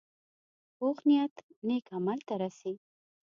پوخ نیت نیک عمل ته رسي